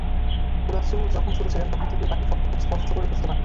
কুলাসো যখন ছোট ছিলেন, তখন থেকেই পাখির শব্দ খুব স্পষ্ট বুঝতে পারতেন।